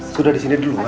sudah disini duluan ya